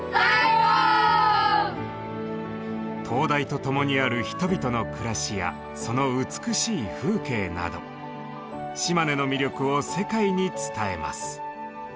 灯台とともにある人々の暮らしやその美しい風景など島根の魅力を世界に伝えます。